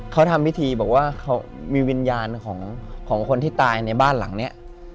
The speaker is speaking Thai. เขาทำพิธีบอกว่ามีวิญญาณของคนที่ตายในบ้านหลังนี้